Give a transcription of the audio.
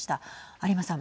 有馬さん。